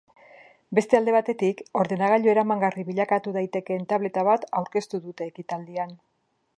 Beste alde batetik, ordenagailu eramangarri bilakatu daitekeen tableta bat aurkeztu dute ekitaldian.